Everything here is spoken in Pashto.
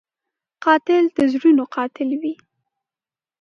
قاتل د زړونو قاتل وي